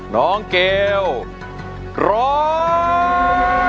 น้องเกลร้อง